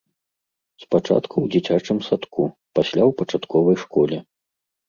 Спачатку ў дзіцячым садку, пасля ў пачатковай школе.